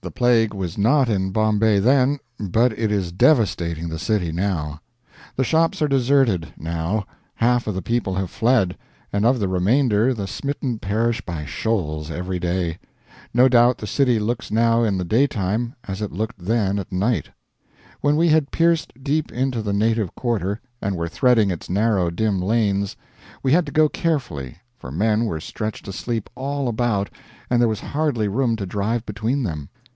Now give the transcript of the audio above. The plague was not in Bombay then, but it is devastating the city now. The shops are deserted, now, half of the people have fled, and of the remainder the smitten perish by shoals every day. No doubt the city looks now in the daytime as it looked then at night. When we had pierced deep into the native quarter and were threading its narrow dim lanes, we had to go carefully, for men were stretched asleep all about and there was hardly room to drive between them.